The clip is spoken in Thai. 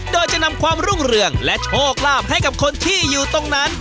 โดยจะนำความรุ่งเรืองและโชคลาภให้กับคนที่อยู่ตรงนั้น